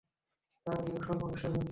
তার জ্ঞান সর্ববিষয়ে ব্যপ্ত।